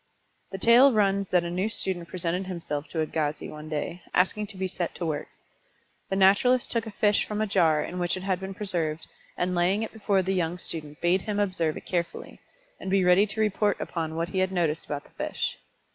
The tale runs that a new student presented himself to Agassiz one day, asking to be set to work. The naturalist took a fish from a jar in which it had been preserved, and laying it before the young student bade him observe it carefully, and be ready to report upon what he had noticed about the fish.